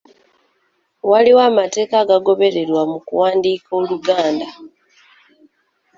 Waliwo amateeka agagobererwa mu kuwandiika Oluganda.